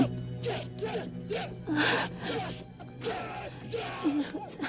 mari menutup duluan kita